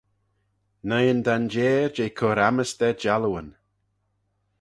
Noi'n danjeyr jeh cur ammys da jallooyn.